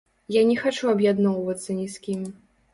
Я не хачу аб'ядноўвацца ні з кім.